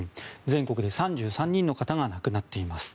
全国で３３人の方が亡くなっています。